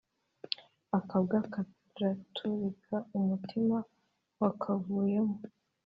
Akabwa karatubika umutima wakavuyemo